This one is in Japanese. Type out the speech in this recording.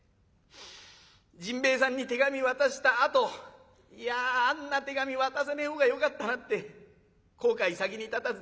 甚兵衛さんに手紙渡したあといやあんな手紙渡さねえ方がよかったなって後悔先に立たずだ。